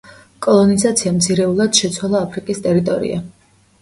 კოლონიზაციამ ძირეულად შეცვალა აფრიკის ტერიტორია.